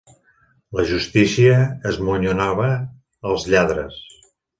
La justícia esmonyonava els lladres.